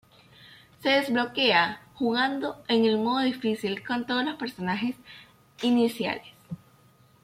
Se desbloquea jugando en el modo difícil con todos los personajes iniciales.